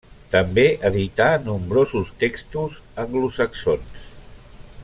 També edità nombrosos textos anglosaxons.